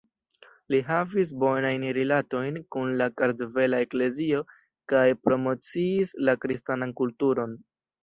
Li havis bonajn rilatojn kun la Kartvela Eklezio kaj promociis la kristanan kulturon.